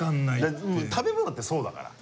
もう食べ物ってそうだから。